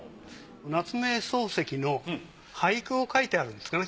夏目漱石の俳句を書いてあるんですかね。